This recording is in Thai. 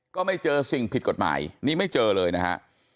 ก็ไม่เจอสิ่งผิดกฎหมายนี่ไม่เจอเลยนะฮะ